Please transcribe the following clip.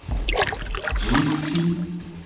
Ji si.